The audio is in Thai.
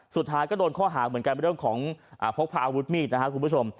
สุดท้ายก็โดนข้อหาเหมือนกันเรื่องของพกพาอาวุธมีดนะครับคุณผู้ชม